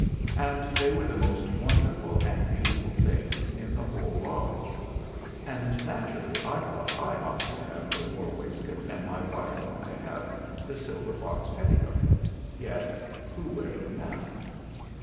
"And they were the most wonderful and beautiful things in the whole lodge, and natu rally I thought I ought to have the war waist coat and my wife ought to have the silver fox petticoat. Yet who wear them now?"